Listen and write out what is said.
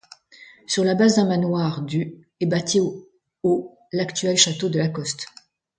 Sur la base d'un manoir du est bâti au l'actuel château de Lacoste.